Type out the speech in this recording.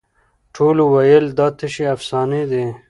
ټولو وویل دا تشي افسانې دي